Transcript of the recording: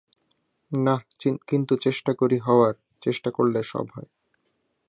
নাহ, কিন্তু চেষ্টা করি হওয়ার, চেষ্টা করলে সব হয়।